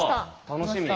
楽しみ。